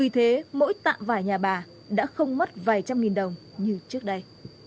tạ vải nhà bà đã không mất vài trăm nghìn đồng như trước đây